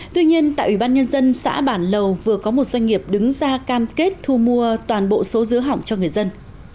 tuy nhiên tại ủy ban nhân dân xã bản lầu vừa có một doanh nghiệp đứng ra cam kết thu mua toàn bộ số dứa hỏng cho người dân